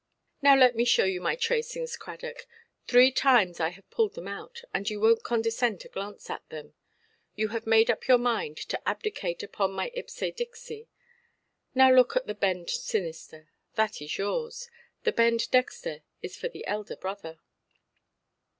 "Now let me show you my tracings, Cradock. Three times I have pulled them out, and you wonʼt condescend to glance at them. You have made up your mind to abdicate upon my ipse dixi. Now look at the bend sinister, that is yours; the bend dexter is for the elder brother".